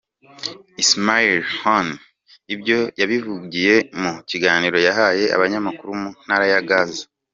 Ismail Haniyeh ibyo yabivugiye mu kiganiro yahaye abanyamakuru mu ntara ya Gaza.